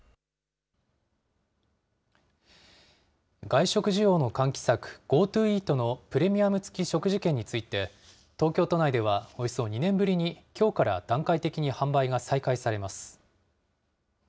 外食需要の喚起策、ＧｏＴｏイートのプレミアム付き食事券について、東京都内ではおよそ２年ぶりに、きょうから段階的に販売が再開されます。